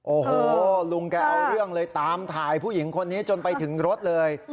โอ้โหลุงแกเอาเรื่องเลยตามถ่ายผู้หญิงคนนี้จนไปถึงรถเลย